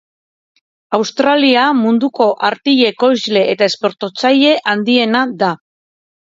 Australia munduko artile ekoizle eta esportatzaile handiena da.